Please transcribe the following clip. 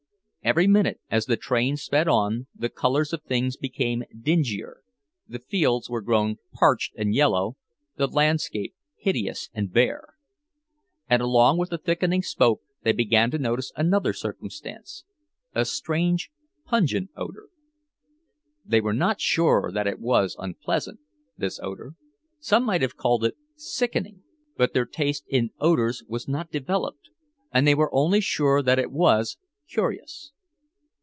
Every minute, as the train sped on, the colors of things became dingier; the fields were grown parched and yellow, the landscape hideous and bare. And along with the thickening smoke they began to notice another circumstance, a strange, pungent odor. They were not sure that it was unpleasant, this odor; some might have called it sickening, but their taste in odors was not developed, and they were only sure that it was curious.